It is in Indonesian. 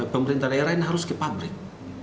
pemerintah daerah ini harus ke pabrik